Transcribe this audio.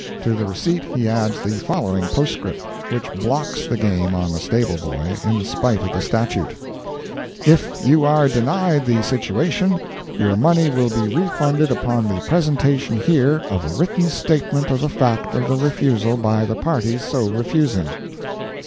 To the receipt he adds the following postscript, which blocks the game on the stable boy, in spite of the statute: "If you are denied the situation, your money will be refunded upon the presentation here of a written statement of the fact of the refusal by the parties so refusing."